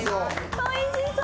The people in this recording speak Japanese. おいしそう。